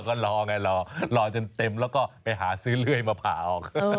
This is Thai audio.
ก็รอไงรอรอจนเต็มแล้วก็ไปหาซื้อเลื่อยมาผ่าออก